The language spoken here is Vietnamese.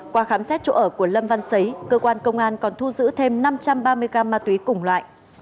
qua khám xét chỗ ở của lâm văn xấy cơ quan công an còn thu giữ thêm năm trăm ba mươi gram ma túy cùng loại